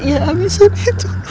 ya abis itu